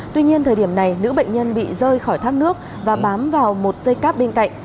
tuy nhiên thời điểm này nữ bệnh nhân bị rơi khỏi thác nước và bám vào một dây cáp bên cạnh